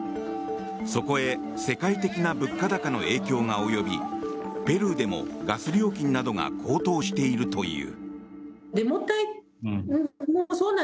そこへ世界的な物価高の影響が及びペルーでもガス料金などが高騰しているという。